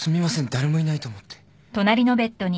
誰もいないと思って。